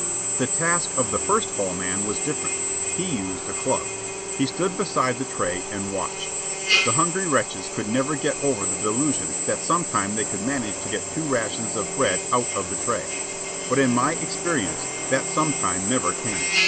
The task of the First Hall man was different. He used a club. He stood beside the tray and watched. The hungry wretches could never get over the delusion that sometime they could manage to get two rations of bread out of the tray. But in my experience that sometime never came.